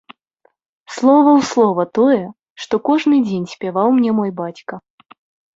Слова ў слова тое, што кожны дзень спяваў мне мой бацька.